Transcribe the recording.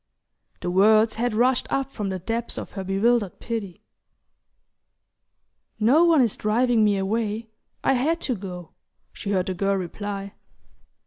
The words had rushed up from the depths of her bewildered pity. "No one is driving me away: I had to go," she heard the girl reply.